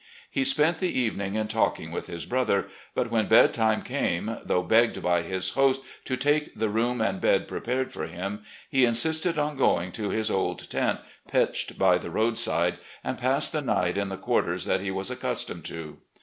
He spent the even ing in talking with his brother, but when bedtime came, though begged by his host to take the room and bed pre pared for him, he insisted on going to his old tent, pitched by the roadside, and passed the night in the quarters that he was accustomed to.